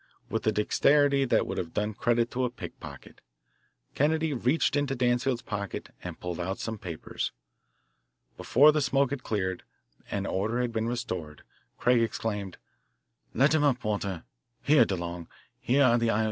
With a dexterity that would have done credit to a pickpocket, Kennedy reached into Danfield's pocket and pulled out some papers. Before the smoke had cleared and order had been restored, Craig exclaimed: "Let him up, Walter. Here, DeLong, here are the I.O.U.'